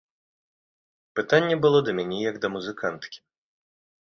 Пытанне было да мяне як да музыканткі.